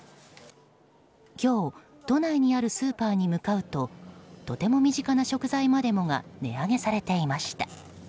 今日、都内にあるスーパーに向かうととても身近な食材までもが値上げされていました。